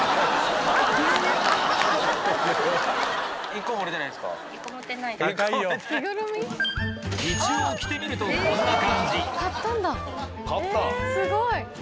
一応着てみるとこんな感じ